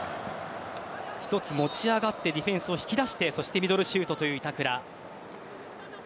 一つ持ち上がってディフェンスを引き出してミドルシュートという板倉。